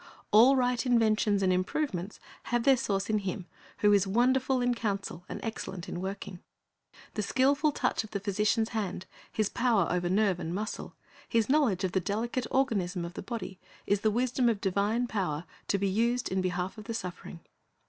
All right inventions and improvements have their source in Him who is wonderful in counsel and excellent in working. The skilful touch of the physician's hand, his power over nerve and muscle, his knowledge of the delicate organism of the bod\', is the wisdom of divine power, to be used in behalf of the suffering.